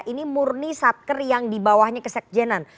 ini murni satker yang dibawahnya kesekjenan